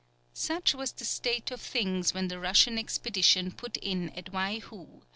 ] Such was the state of things when the Russian expedition put in at Waihou.